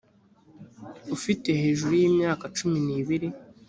ufite hejuru y imyaka cumi n ibiri